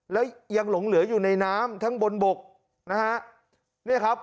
แล้วยังหลงเหลืออยู่ในน้ำทั้งบนบกนะฮะเนี่ยครับ